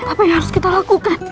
apa yang harus kita lakukan